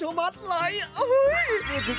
หื้อหื้อหื้อหื้อหื้อหื้อหื้อหื้อหื้อหื้อหื้อ